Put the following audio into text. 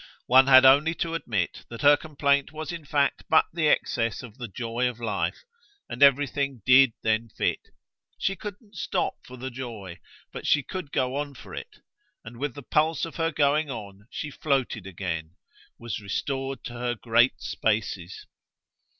One had only to admit that her complaint was in fact but the excess of the joy of life, and everything DID then fit. She couldn't stop for the joy, but she could go on for it, and with the pulse of her going on she floated again, was restored to her great spaces.